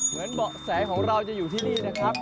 เหมือนเบาะแสของเราจะอยู่ที่นี่เลยนะครับ